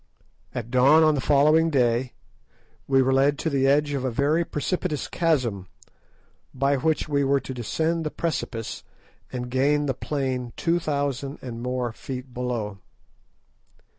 At dawn on the following day, we were led to the edge of a very precipitous chasm, by which we were to descend the precipice, and gain the plain two thousand and more feet below.